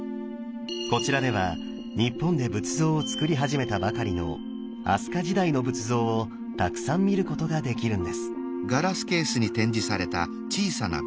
こちらでは日本で仏像をつくり始めたばかりの飛鳥時代の仏像をたくさん見ることができるんです。